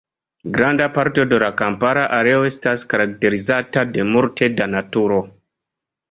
Granda parto de la kampara areo estas karakterizata de multe da naturo.